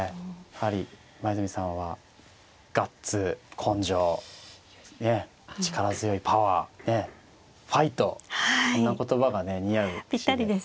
やはり今泉さんはガッツ根性ねえ力強いパワーねえファイトこんな言葉がね似合う棋士で。